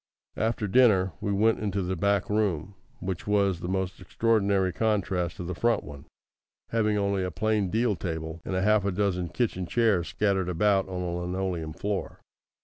After dinner, we went into the back room, which was the most extraordinary contrast to the front one, having only a plain deal table, and half a dozen kitchen chairs scattered about on a linoleum floor.